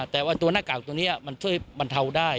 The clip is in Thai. แต่ว่าตัวหน้ากากตัวนี้มันช่วยบรรเทาได้